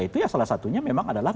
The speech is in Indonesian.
itu ya salah satunya memang adalah